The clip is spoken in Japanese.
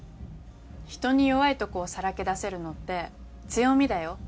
人に弱いとこをさらけ出せるのって強みだよ。